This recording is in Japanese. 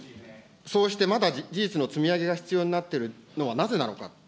そうしてまだ事実の積み上げが必要になっているのはなぜなのか。